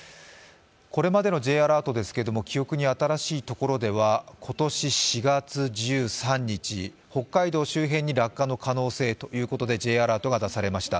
これまでのＪアラートですけれども記憶に新しいところでは今年４月１３日、北海道周辺に落下の可能性ということでＪアラートが出されました。